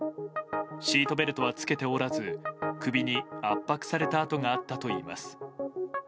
シートベルトは着けておらず首に圧迫された痕があったといいます。